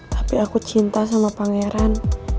tapi aku cinta sama pangeran